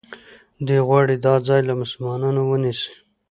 دوی غواړي دا ځای له مسلمانانو ونیسي.